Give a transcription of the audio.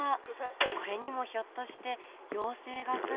これにもひょっとして妖精が住んでいるんですか？